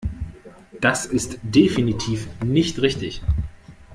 Das ist definitiv nicht richtig.